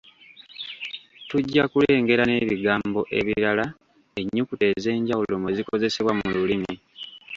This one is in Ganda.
Tujja kulengera n’ebigambo ebirala ennyukuta ez'enjawulo mwe zikozesebwa mu lulimi.